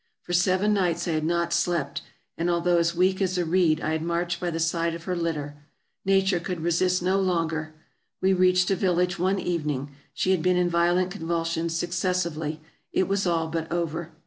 For seven nights I had not slept, and although as weak as a reed, I had marched by the side of her litter. Nature could resist no longer. We reached a village one evening ; she had been in violent convulsions successively; it was all but over.